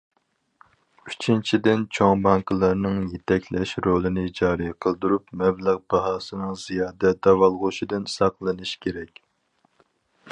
ئۈچىنچىدىن، چوڭ بانكىلارنىڭ يېتەكلەش رولىنى جارى قىلدۇرۇپ، مەبلەغ باھاسىنىڭ زىيادە داۋالغۇشىدىن ساقلىنىش كېرەك.